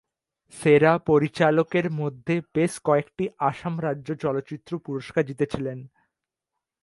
সেরা পরিচালকের মধ্যে বেশ কয়েকটি আসাম রাজ্য চলচ্চিত্র পুরস্কার জিতেছিলেন।